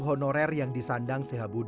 kalau kurang dapat perahuan